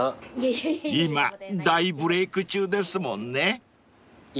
［今大ブレーク中ですもんね］